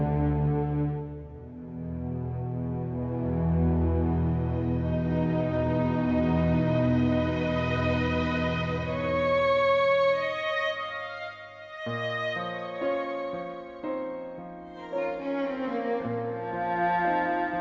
aku mau kemana